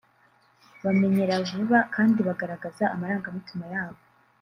bamenyera vuba kandi bagaragaza amarangamutima yabo